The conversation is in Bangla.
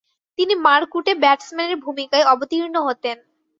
তিনি মারকুটে ব্যাটসম্যানের ভূমিকায় অবতীর্ণ হতেন।